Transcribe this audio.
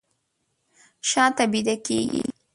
شاته بیده کیږي